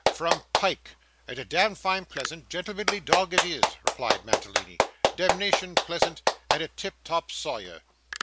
'From Pyke; and a demd, fine, pleasant, gentlemanly dog it is,' replied Mantalini. 'Demnition pleasant, and a tip top sawyer.